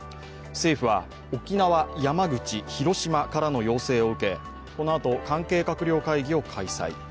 政府は、沖縄、山口、広島からの要請を受け、このあと関係閣僚会議を開催。